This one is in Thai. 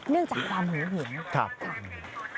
เนื่องจากความเหงื่อเหงื่อนะครับครับครับ